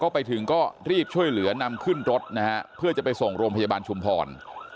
ไปถึงก็รีบช่วยเหลือนำขึ้นรถนะฮะเพื่อจะไปส่งโรงพยาบาลชุมพร